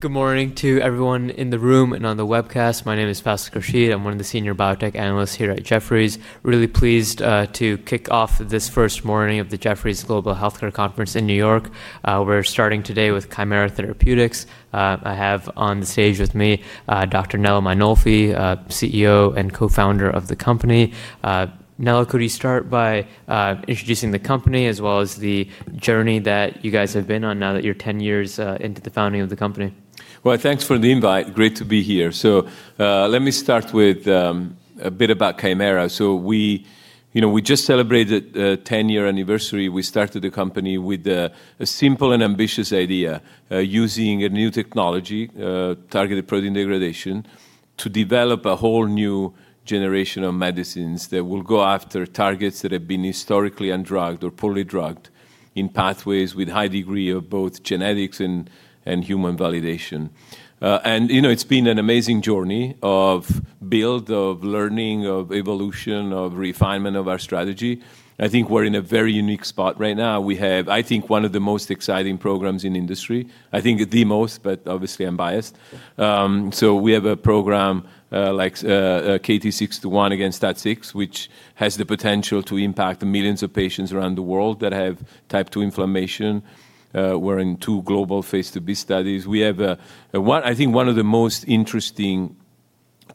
Good morning to everyone in the room and on the webcast. My name is Fasiq Rashid. I'm one of the senior biotech analysts here at Jefferies. Really pleased to kick off this first morning of the Jefferies Global Healthcare Conference in New York. We're starting today with Kymera Therapeutics. I have on the stage with me Dr. Nello Mainolfi, CEO and co-founder of the company. Nello, could you start by introducing the company as well as the journey that you guys have been on now that you're 10 years into the founding of the company? Well, thanks for the invite. Great to be here. Let me start with a bit about Kymera. We just celebrated a 10-year anniversary. We started the company with a simple and ambitious idea, using a new technology, targeted protein degradation, to develop a whole new generation of medicines that will go after targets that have been historically undrugged or poorly drugged, in pathways with high degree of both genetics and human validation. It's been an amazing journey of build, of learning, of evolution, of refinement of our strategy. I think we're in a very unique spot right now. We have, I think, one of the most exciting programs in the industry. I think the most, but obviously I'm biased. We have a program like KT-621 against STAT6, which has the potential to impact millions of patients around the world that have type 2 inflammation. We're in two global Phase IIb studies. We have, I think, one of the most interesting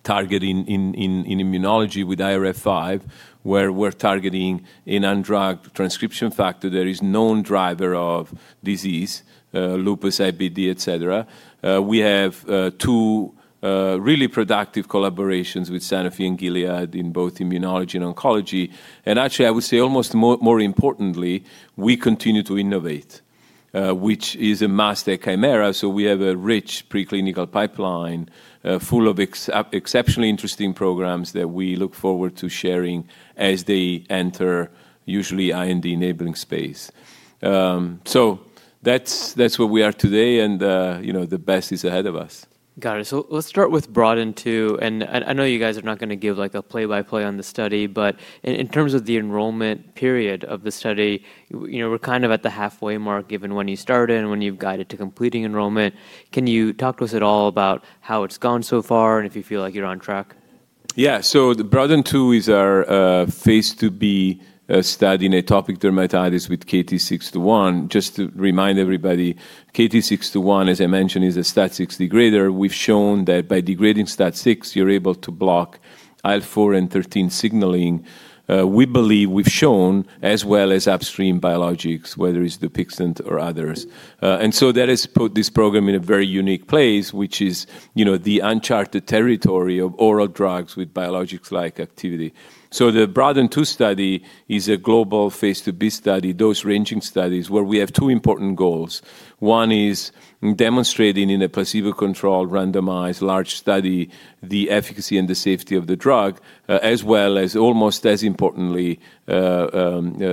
target in immunology with IRF5, where we're targeting an undrugged transcription factor that is known driver of disease, lupus, IBD, et cetera. We have two really productive collaborations with Sanofi and Gilead in both immunology and oncology. Actually, I would say almost more importantly, we continue to innovate, which is a must at Kymera. We have a rich preclinical pipeline full of exceptionally interesting programs that we look forward to sharing as they enter, usually IND-enabling space. That's where we are today and the best is ahead of us. Let's start with BROADEN2. I know you guys are not going to give a play-by-play on the study, but in terms of the enrollment period of the study, we're at the halfway mark, given when you started and when you've guided to completing enrollment. Can you talk to us at all about how it's gone so far and if you feel like you're on track? Yeah. The BROADEN2 is our phase IIb study in atopic dermatitis with KT-621. Just to remind everybody, KT-621, as I mentioned, is a STAT6 degrader. We've shown that by degrading STAT6, you're able to block IL-4 and IL-13 signaling. We believe we've shown as well as upstream biologics, whether it's Dupixent or others. That has put this program in a very unique place, which is the uncharted territory of oral drugs with biologics-like activity. The BROADEN2 study is a global phase IIb study, dose-ranging studies, where we have two important goals. One is demonstrating in a placebo-controlled, randomized large study, the efficacy and the safety of the drug, as well as almost as importantly,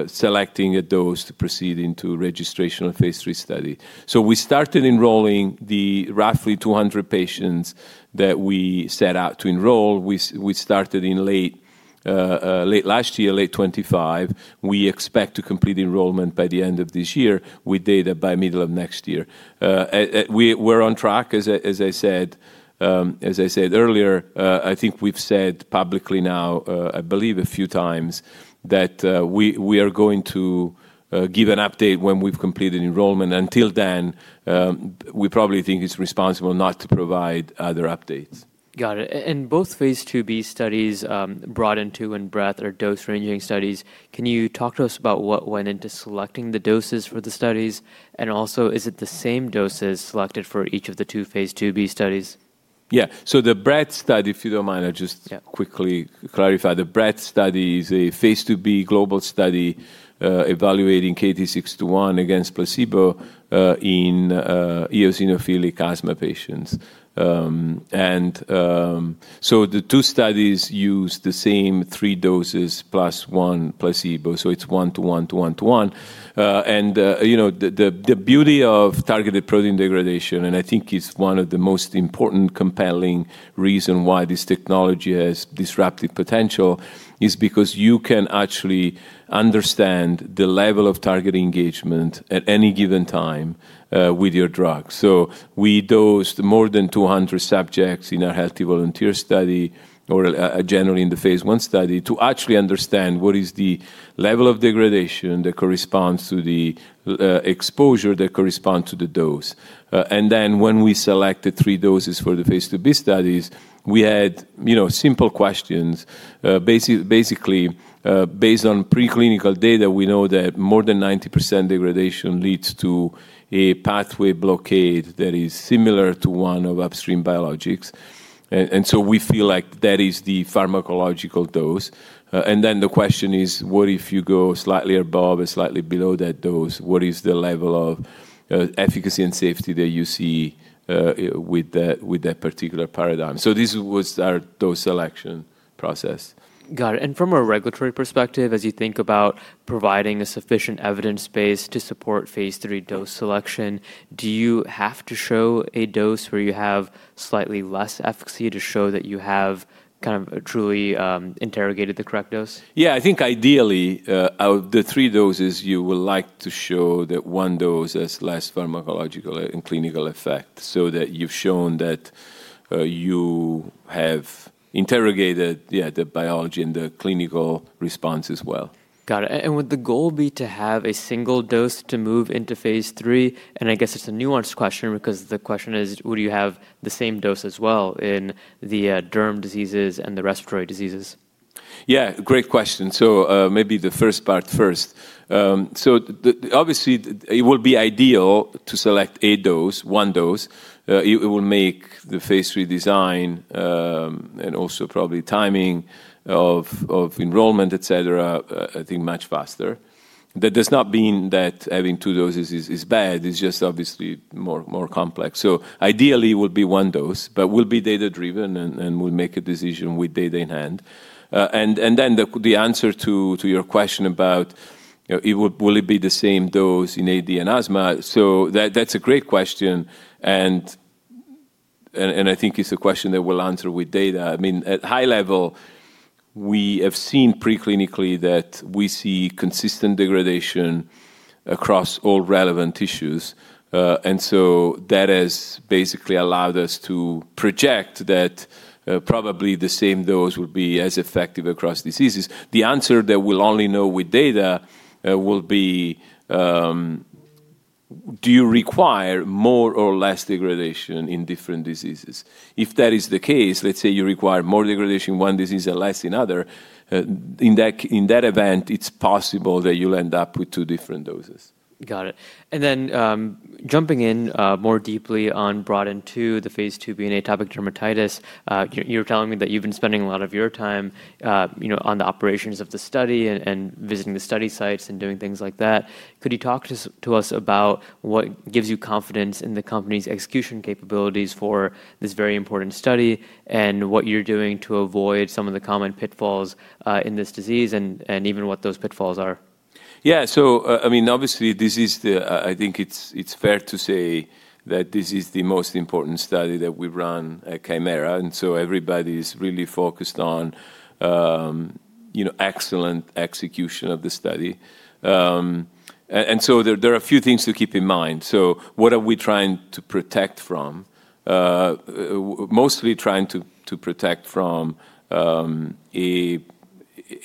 selecting a dose to proceed into registrational phase III study. We started enrolling the roughly 200 patients that we set out to enroll. We started in late last year, late 2025. We expect to complete enrollment by the end of this year, with data by middle of next year. We're on track, as I said earlier. I think we've said publicly now, I believe a few times, that we are going to give an update when we've completed enrollment. Until then, we probably think it's responsible not to provide other updates. Got it. In both phase II-b studies, BROADEN2 and BREADTH are dose-ranging studies. Can you talk to us about what went into selecting the doses for the studies? Is it the same doses selected for each of the two phase IIb studies? Yeah. The BREADTH study, if you don't mind. Yeah quickly clarify. The BREADTH study is a phase IIb global study, evaluating KT-621 against placebo in eosinophilic asthma patients. The 2 studies use the same three doses +1 placebo, so it's 1 to 1 to 1 to 1. The beauty of targeted protein degradation, and I think it's one of the most important compelling reason why this technology has disruptive potential, is because you can actually understand the level of target engagement at any given time with your drug. We dosed more than 200 subjects in our healthy volunteer study or generally in the phase I study, to actually understand what is the level of degradation that corresponds to the exposure that corresponds to the dose. When we selected three doses for the phase IIb studies, we had simple questions. Basically, based on preclinical data, we know that more than 90% degradation leads to a pathway blockade that is similar to one of upstream biologics. We feel like that is the pharmacological dose. The question is, what if you go slightly above or slightly below that dose? What is the level of efficacy and safety that you see with that particular paradigm? This was our dose selection process. Got it. From a regulatory perspective, as you think about providing a sufficient evidence base to support phase III dose selection, do you have to show a dose where you have slightly less efficacy to show that you have truly interrogated the correct dose? Yeah, I think ideally, out of the three doses, you would like to show that one dose has less pharmacological and clinical effect, so that you've shown that you have interrogated the biology and the clinical response as well. Got it. Would the goal be to have a single dose to move into phase III? I guess it's a nuanced question because the question is, would you have the same dose as well in the derm diseases and the respiratory diseases? Yeah, great question. Maybe the first part first. Obviously, it would be ideal to select a dose, one dose. It will make the phase III design, and also probably timing of enrollment, et cetera, I think much faster. That does not mean that having two doses is bad, it's just obviously more complex. Ideally, it would be one dose, but we'll be data-driven and we'll make a decision with data in hand. The answer to your question about will it be the same dose in AD and asthma, so that's a great question, and I think it's a question that we'll answer with data. At high level, we have seen pre-clinically that we see consistent degradation across all relevant tissues. That has basically allowed us to project that probably the same dose would be as effective across diseases. The answer that we'll only know with data, will be, do you require more or less degradation in different diseases? If that is the case, let's say you require more degradation in one disease and less in other, in that event, it's possible that you'll end up with two different doses. Got it. Then, jumping in more deeply on BROADEN2, the phase IIb in atopic dermatitis, you were telling me that you've been spending a lot of your time on the operations of the study and visiting the study sites and doing things like that. Could you talk to us about what gives you confidence in the company's execution capabilities for this very important study? What you're doing to avoid some of the common pitfalls in this disease and even what those pitfalls are. Yeah. Obviously, I think it's fair to say that this is the most important study that we've run at Kymera, everybody's really focused on excellent execution of the study. There are a few things to keep in mind. What are we trying to protect from? Mostly trying to protect from an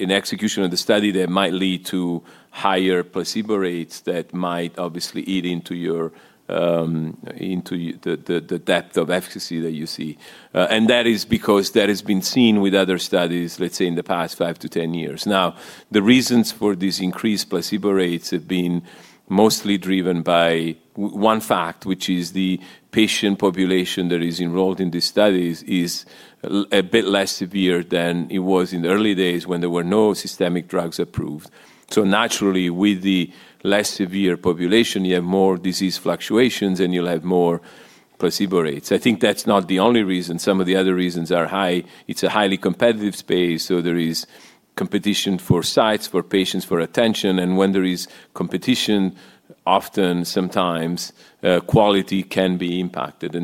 execution of the study that might lead to higher placebo rates that might obviously eat into the depth of efficacy that you see. That is because that has been seen with other studies, let's say, in the past five to 10 years. Now, the reasons for these increased placebo rates have been mostly driven by one fact, which is the patient population that is enrolled in these studies is a bit less severe than it was in the early days when there were no systemic drugs approved. Naturally, with the less severe population, you have more disease fluctuations, and you'll have more placebo rates. I think that's not the only reason. Some of the other reasons are high. It's a highly competitive space, so there is competition for sites, for patients, for attention. When there is competition, often, sometimes, quality can be impacted.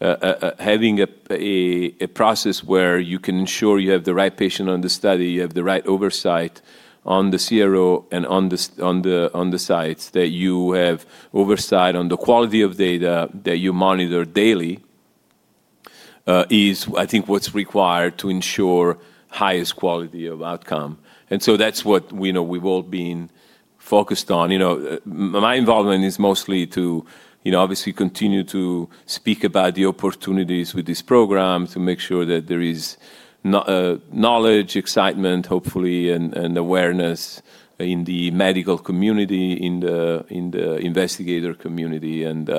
Having a process where you can ensure you have the right patient on the study, you have the right oversight on the CRO and on the sites, that you have oversight on the quality of data that you monitor daily, is I think what's required to ensure highest quality of outcome. That's what we've all been focused on. My involvement is mostly to obviously continue to speak about the opportunities with this program, to make sure that there is knowledge, excitement, hopefully, and awareness in the medical community, in the investigator community, and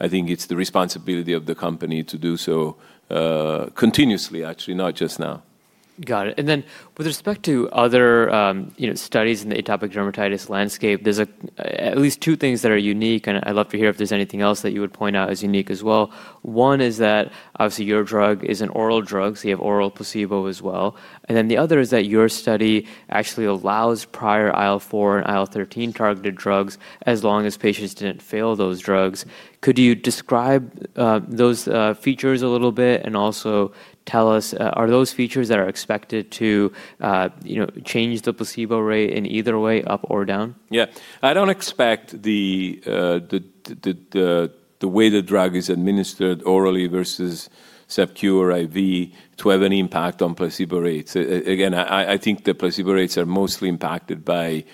I think it's the responsibility of the company to do so, continuously, actually, not just now. Got it. With respect to other studies in the atopic dermatitis landscape, there's at least two things that are unique, and I'd love to hear if there's anything else that you would point out as unique as well. One is that obviously your drug is an oral drug, so you have oral placebo as well. The other is that your study actually allows prior IL-4 and IL-13-targeted drugs as long as patients didn't fail those drugs. Could you describe those features a little bit and also tell us, are those features that are expected to change the placebo rate in either way, up or down? Yeah. I don't expect the way the drug is administered orally versus sub-Q or IV to have any impact on placebo rates. Again, I think the placebo rates are mostly impacted by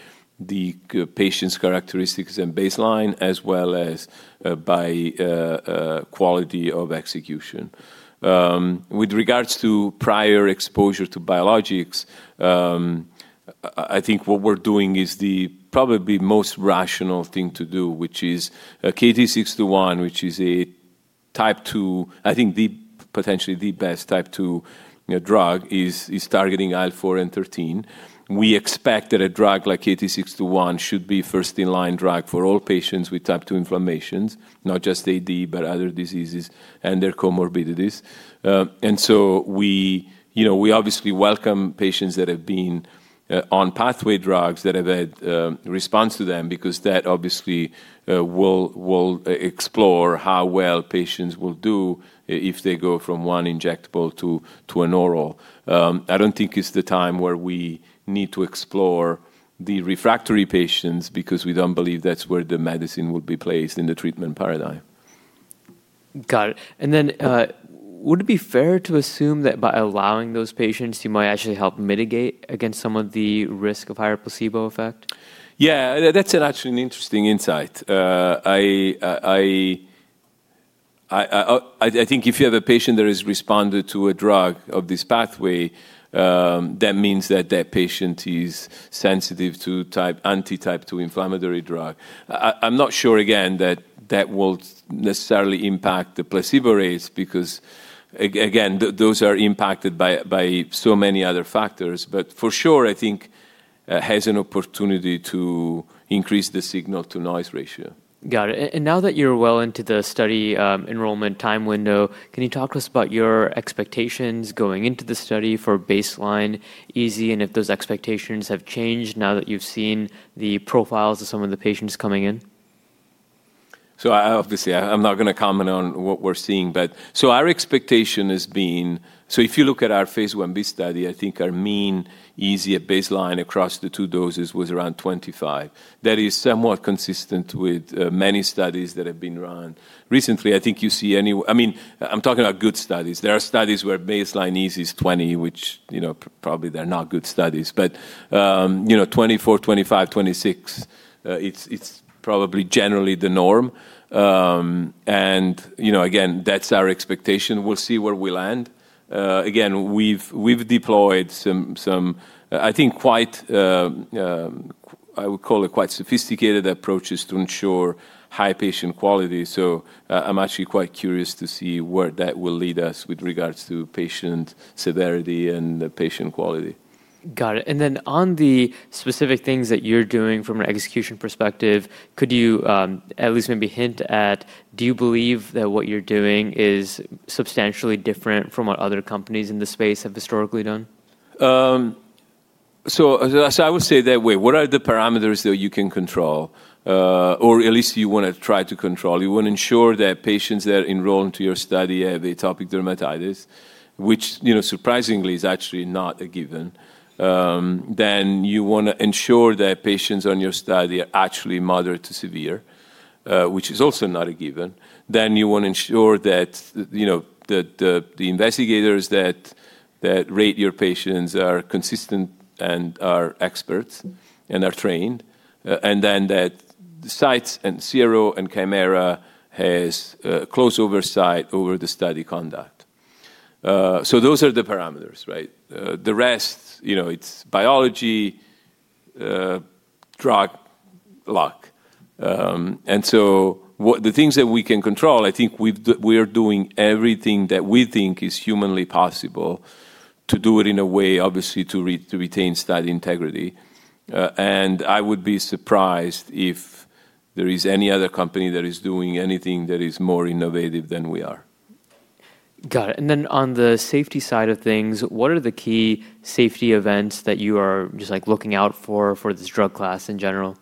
the patient's characteristics and baseline, as well as by quality of execution. With regards to prior exposure to biologics, I think what we're doing is the probably most rational thing to do, which is KT-621, which is a type 2, I think potentially the best type 2 drug, is targeting IL-4 and IL-13. We expect that a drug like KT-621 should be first in line drug for all patients with type 2 inflammations, not just AD, but other diseases and their comorbidities. We obviously welcome patients that have been on pathway drugs that have had response to them because that obviously will explore how well patients will do if they go from one injectable to an oral. I don't think it's the time where we need to explore the refractory patients because we don't believe that's where the medicine would be placed in the treatment paradigm. Would it be fair to assume that by allowing those patients, you might actually help mitigate against some of the risk of higher placebo effect? Yeah, that's actually an interesting insight. I think if you have a patient that has responded to a drug of this pathway, that means that that patient is sensitive to anti-type 2 inflammatory drug. I'm not sure, again, that that will necessarily impact the placebo rates, because again, those are impacted by so many other factors. For sure, I think has an opportunity to increase the signal-to-noise ratio. Now that you're well into the study enrollment time window, can you talk to us about your expectations going into the study for baseline EASI, and if those expectations have changed now that you've seen the profiles of some of the patients coming in? Obviously I'm not going to comment on what we're seeing. If you look at our phase I-B study, I think our mean EASI at baseline across the two doses was around 25. That is somewhat consistent with many studies that have been run. Recently, I think you see I'm talking about good studies. There are studies where baseline EASI is 20, which probably they're not good studies, but 24, 25, 26, it's probably generally the norm. Again, that's our expectation. We'll see where we land. Again, we've deployed some I think quite sophisticated approaches to ensure high patient quality. I'm actually quite curious to see where that will lead us with regards to patient severity and patient quality. Got it. On the specific things that you're doing from an execution perspective, could you at least maybe hint at, do you believe that what you're doing is substantially different from what other companies in the space have historically done? I would say that way, what are the parameters that you can control? At least you want to try to control. You want to ensure that patients that enroll into your study have atopic dermatitis, which surprisingly is actually not a given. You want to ensure that patients on your study are actually moderate to severe, which is also not a given. You want to ensure that the investigators that rate your patients are consistent and are experts and are trained, and then that sites and CRO and Kymera has close oversight over the study conduct. Those are the parameters, right? The rest, it's biology, drug luck. The things that we can control, I think we are doing everything that we think is humanly possible to do it in a way, obviously, to retain study integrity. I would be surprised if there is any other company that is doing anything that is more innovative than we are. Got it. On the safety side of things, what are the key safety events that you are just looking out for this drug class in general?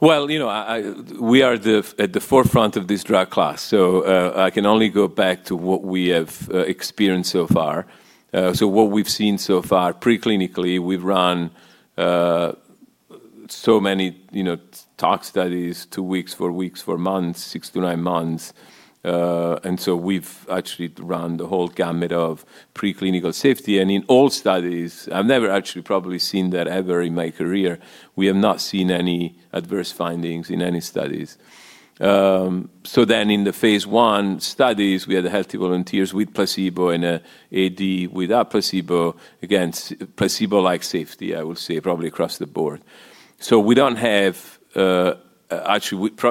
Well, we are at the forefront of this drug class, I can only go back to what we have experienced so far. What we've seen so far pre-clinically, we've run so many tox studies, two weeks, four weeks, four months, six to nine months. We've actually run the whole gamut of pre-clinical safety. In all studies, I've never actually probably seen that ever in my career, we have not seen any adverse findings in any studies. In the phase I studies, we had healthy volunteers with placebo and AD without placebo against placebo-like safety, I would say, probably across the board.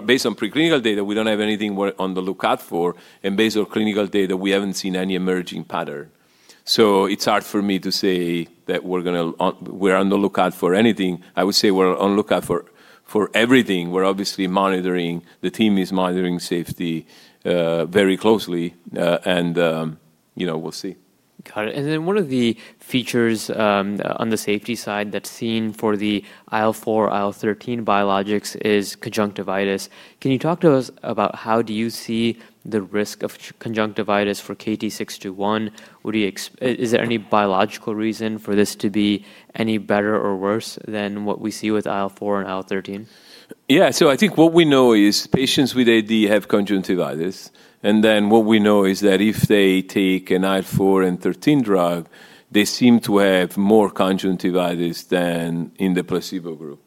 Based on pre-clinical data, we don't have anything we're on the lookout for, and based on clinical data, we haven't seen any emerging pattern. It's hard for me to say that we're on the lookout for anything. I would say we're on the lookout for everything. We're obviously monitoring, the team is monitoring safety very closely. We'll see. Got it. One of the features on the safety side that's seen for the IL-4, IL-13 biologics is conjunctivitis. Can you talk to us about how do you see the risk of conjunctivitis for KT-621? Is there any biological reason for this to be any better or worse than what we see with IL-4 and IL-13? I think what we know is patients with AD have conjunctivitis, and then what we know is that if they take an IL-4 and IL-13 drug, they seem to have more conjunctivitis than in the placebo group.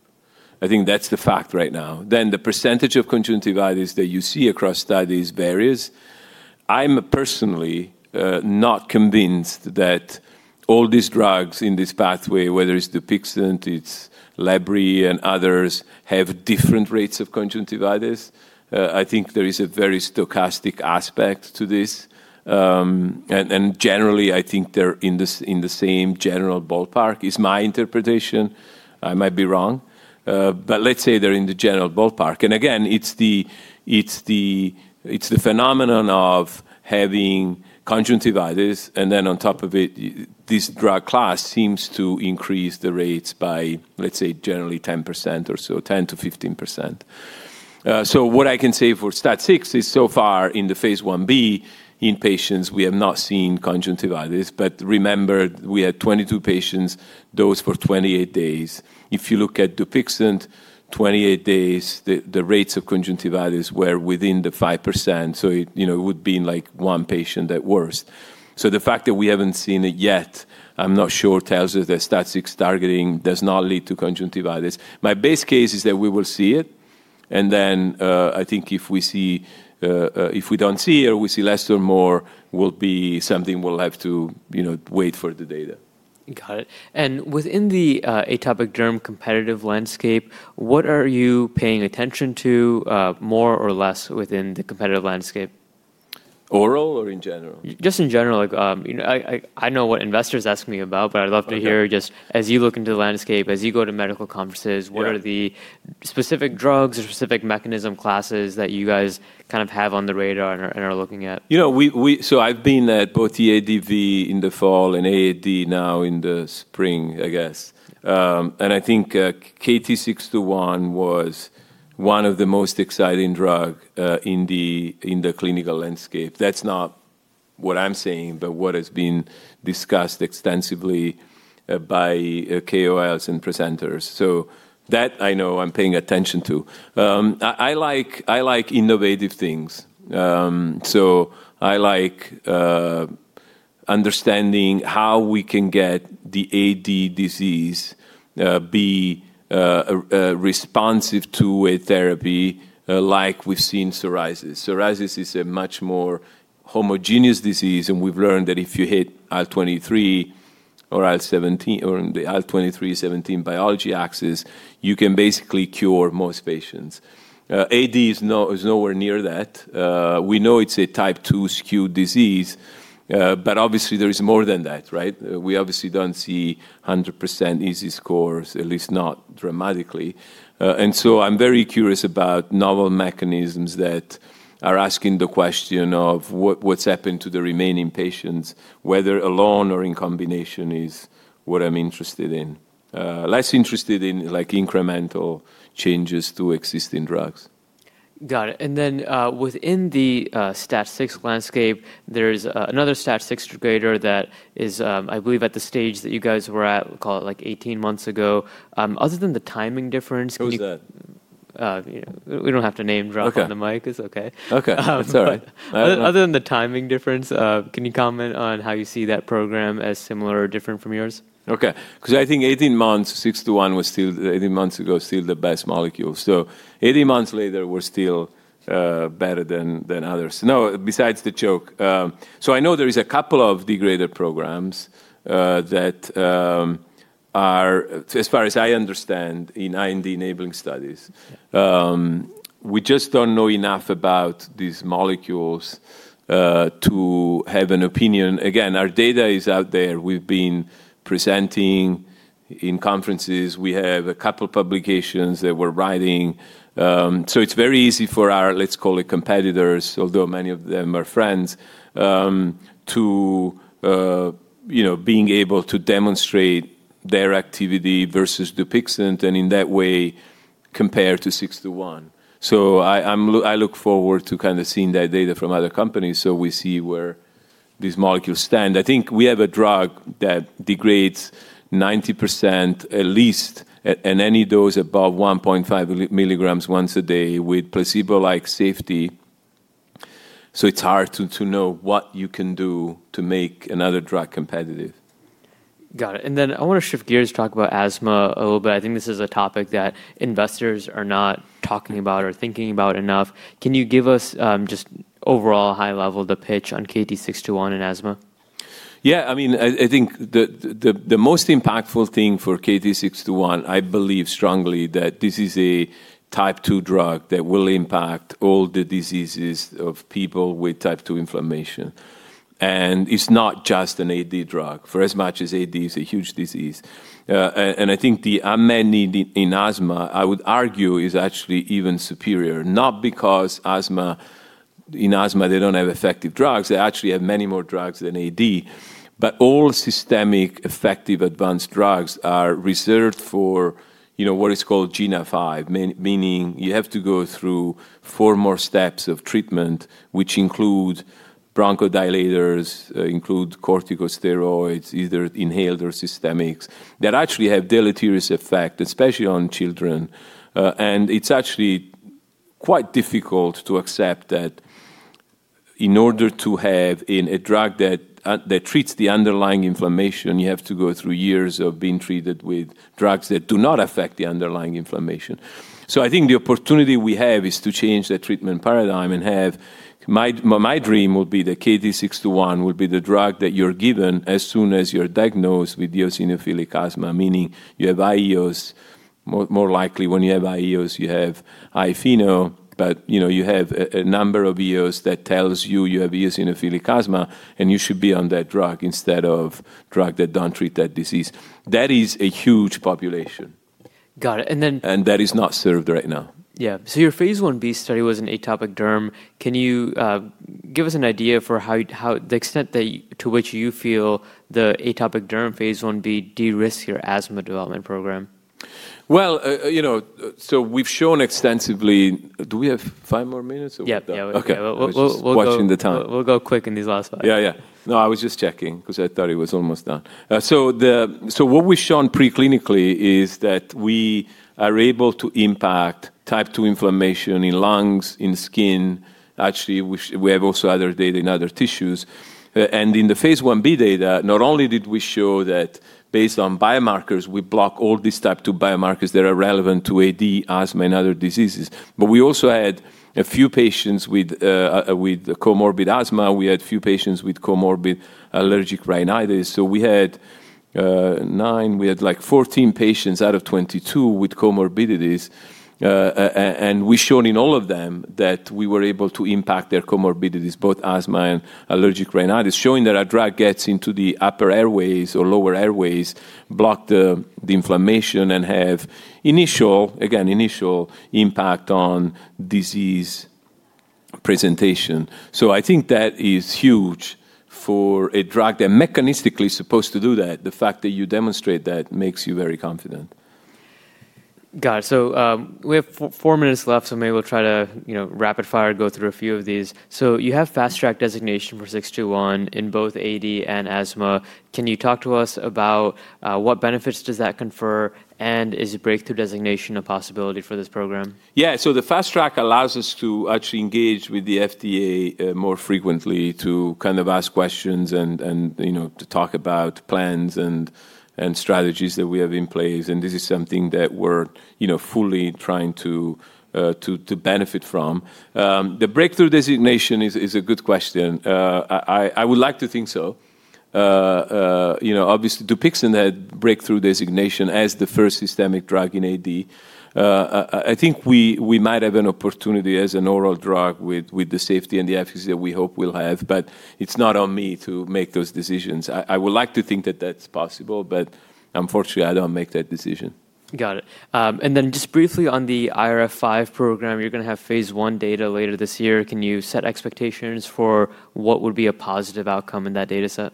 I think that's the fact right now. The percentage of conjunctivitis that you see across studies varies. I'm personally not convinced that all these drugs in this pathway, whether it's Dupixent, it's Ebglyss, and others, have different rates of conjunctivitis. I think there is a very stochastic aspect to this. Generally, I think they're in the same general ballpark is my interpretation. I might be wrong. Let's say they're in the general ballpark, and again, it's the phenomenon of having conjunctivitis and then on top of it, this drug class seems to increase the rates by, let's say, generally 10% or so, 10%-15%. What I can say for STAT6 is so far in the phase I-B in patients, we have not seen conjunctivitis. Remember, we had 22 patients, dose for 28 days. If you look at Dupixent, 28 days, the rates of conjunctivitis were within the 5%. It would be like one patient at worst. The fact that we haven't seen it yet, I'm not sure tells us that STAT6 targeting does not lead to conjunctivitis. My base case is that we will see it, and then I think if we don't see or we see less or more, will be something we'll have to wait for the data. Got it. Within the atopic derm competitive landscape, what are you paying attention to more or less within the competitive landscape? Oral or in general? Just in general. I know what investors ask me about, but I'd love to hear just as you look into the landscape, as you go to medical conferences. Yeah What are the specific drugs or specific mechanism classes that you guys have on the radar and are looking at? I've been at both the EADV in the fall and AAD now in the spring, I guess. I think KT-621 was one of the most exciting drug in the clinical landscape. That's not what I'm saying, but what has been discussed extensively by KOLs and presenters. That I know I'm paying attention to. I like innovative things. I like understanding how we can get the AD disease be responsive to a therapy like we've seen in psoriasis. Psoriasis is a much more homogeneous disease, and we've learned that if you hit IL-23 or IL-17 or the IL-23, 17 biology axis, you can basically cure most patients. AD is nowhere near that. We know it's a Type 2 skewed disease, but obviously there is more than that, right? We obviously don't see 100% EASI scores, at least not dramatically. I'm very curious about novel mechanisms that are asking the question of what's happened to the remaining patients, whether alone or in combination is what I'm interested in. Less interested in incremental changes to existing drugs. Got it. Within the STAT6 landscape, there's another STAT6 degrader that is, I believe at the stage that you guys were at, call it like 18 months ago. Other than the timing difference. Who is that? We don't have to name drop. Okay on the mic. It's okay. Okay. It's all right. Other than the timing difference, can you comment on how you see that program as similar or different from yours? I think 18 months, 621 was still, 18 months ago, still the best molecule. 18 months later, we're still better than others. No, besides the joke. I know there is a couple of degrader programs that are, as far as I understand, in IND-enabling studies. We just don't know enough about these molecules to have an opinion. Again, our data is out there. We've been presenting in conferences. We have a couple publications that we're writing. It's very easy for our, let's call it competitors, although many of them are friends, to being able to demonstrate their activity versus Dupixent, and in that way compare to 621. I look forward to seeing that data from other companies so we see where these molecules stand. I think we have a drug that degrades 90% at least at any dose above 1.5 mg once a day with placebo-like safety. It's hard to know what you can do to make another drug competitive. Got it. I want to shift gears to talk about asthma a little bit. I think this is a topic that investors are not talking about or thinking about enough. Can you give us just overall high level the pitch on KT-621 and asthma? Yeah. I think the most impactful thing for KT-621, I believe strongly that this is a Type 2 drug that will impact all the diseases of people with Type 2 inflammation. It's not just an AD drug, for as much as AD is a huge disease. I think the unmet need in asthma, I would argue, is actually even superior, not because in asthma they don't have effective drugs. They actually have many more drugs than AD. All systemic effective advanced drugs are reserved for what is called GINA five, meaning you have to go through four more steps of treatment, which include bronchodilators, include corticosteroids, either inhaled or systemics, that actually have deleterious effect, especially on children. It's actually quite difficult to accept that in order to have a drug that treats the underlying inflammation, you have to go through years of being treated with drugs that do not affect the underlying inflammation. I think the opportunity we have is to change the treatment paradigm. My dream would be that KT-621 would be the drug that you're given as soon as you're diagnosed with eosinophilic asthma, meaning you have IgEs. More likely when you have IgEs, you have high FeNO, but you have a number of EOS that tells you you have eosinophilic asthma, and you should be on that drug instead of drug that don't treat that disease. That is a huge population. Got it. That is not served right now. Yeah. Your phase I-B study was in atopic derm. Give us an idea for the extent to which you feel the atopic derm phase I-B de-risks your asthma development program. Well, we've shown extensively. Do we have five more minutes or we're done? Yeah, we're good. Okay. We'll- I was just watching the time. We'll go quick in these last five. Yeah. No, I was just checking because I thought it was almost done. What we've shown preclinically is that we are able to impact type 2 inflammation in lungs, in skin. Actually, we have also other data in other tissues. In the phase I-B data, not only did we show that based on biomarkers we block all these type 2 biomarkers that are relevant to AD, asthma, and other diseases, but we also had a few patients with comorbid asthma. We had a few patients with comorbid allergic rhinitis. We had 14 patients out of 22 with comorbidities, and we've shown in all of them that we were able to impact their comorbidities, both asthma and allergic rhinitis, showing that our drug gets into the upper airways or lower airways, block the inflammation, and have initial, again, initial impact on disease presentation. I think that is huge for a drug that mechanistically is supposed to do that. The fact that you demonstrate that makes you very confident. Got it. We have four minutes left, so maybe we'll try to rapid fire go through a few of these. You have Fast Track designation for 621 in both AD and asthma. Can you talk to us about what benefits does that confer, and is a Breakthrough Therapy designation a possibility for this program? Yeah. The Fast Track allows us to actually engage with the FDA more frequently to ask questions and to talk about plans and strategies that we have in place, and this is something that we're fully trying to benefit from. The Breakthrough Designation is a good question. I would like to think so. Obviously, Dupixent had Breakthrough Designation as the first systemic drug in AD. I think we might have an opportunity as an oral drug with the safety and the efficacy that we hope we'll have, but it's not on me to make those decisions. I would like to think that that's possible, but unfortunately, I don't make that decision. Got it. Then just briefly on the IRF5 program, you're going to have phase I data later this year. Can you set expectations for what would be a positive outcome in that dataset?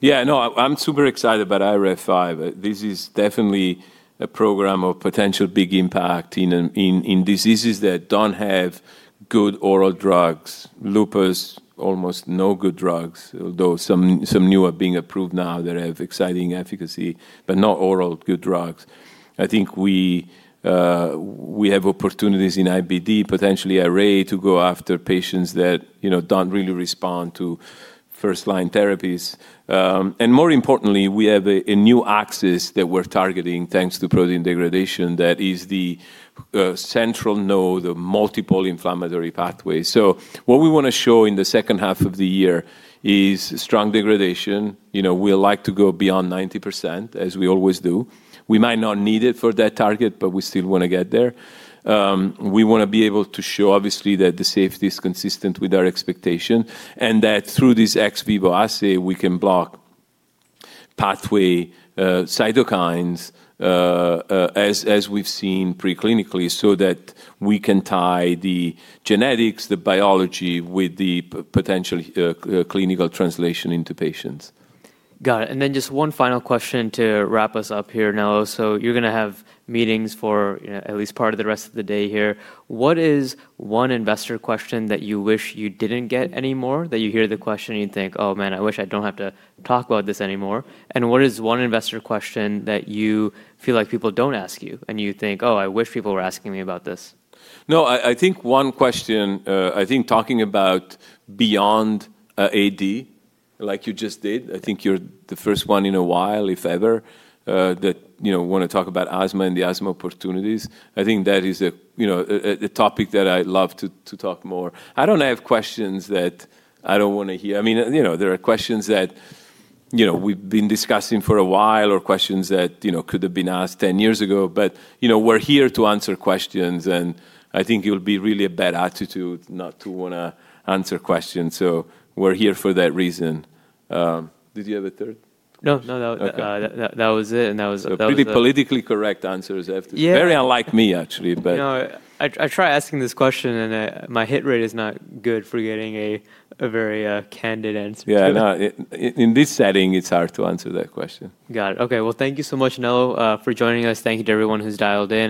Yeah. I'm super excited about IRF5. This is definitely a program of potential big impact in diseases that don't have good oral drugs. Lupus, almost no good drugs, although some new are being approved now that have exciting efficacy, but not oral good drugs. I think we have opportunities in IBD, potentially RA, to go after patients that don't really respond to first-line therapies. More importantly, we have a new axis that we're targeting, thanks to protein degradation, that is the central node of multiple inflammatory pathways. What we want to show in the second half of the year is strong degradation. We like to go beyond 90%, as we always do. We might not need it for that target, we still want to get there. We want to be able to show, obviously, that the safety is consistent with our expectation, and that through this ex vivo assay, we can block pathway cytokines as we've seen pre-clinically, so that we can tie the genetics, the biology, with the potential clinical translation into patients. Got it. Just one final question to wrap us up here, Nello. You're going to have meetings for at least part of the rest of the day here. What is one investor question that you wish you didn't get anymore, that you hear the question and you think, "Oh, man, I wish I don't have to talk about this anymore"? What is one investor question that you feel like people don't ask you and you think, "Oh, I wish people were asking me about this"? No, I think one question, I think talking about beyond AD, like you just did. I think you're the first one in a while, if ever, that want to talk about asthma and the asthma opportunities. I think that is a topic that I love to talk more. I don't have questions that I don't want to hear. There are questions that we've been discussing for a while, or questions that could've been asked 10 years ago. We're here to answer questions, and I think it would be really a bad attitude not to want to answer questions, so we're here for that reason. Did you have a third question? No. Okay. That was it. Pretty politically correct answers. Yeah. Very unlike me, actually. No. I try asking this question. My hit rate is not good for getting a very candid answer to it. Yeah, I know. In this setting, it's hard to answer that question. Got it. Okay. Well, thank you so much, Nello, for joining us. Thank you to everyone who's dialed in